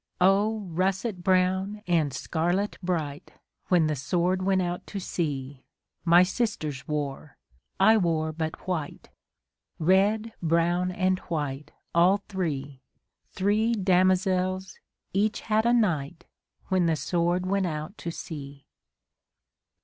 O, russet brown and scarlet bright. When the Sword went out to sea. My sisters wore ; I wore but white : Red, brown, and white, all three ; Three damozels ; each had a knight, When the Sword went out to sea